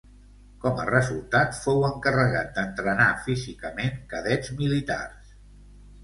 Com a resultat, fou encarregat d'entrenar físicament cadets militars.